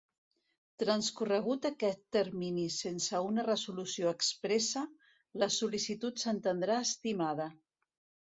Transcorregut aquest termini sense una resolució expressa, la sol·licitud s'entendrà estimada.